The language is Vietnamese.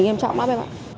nghiêm trọng lắm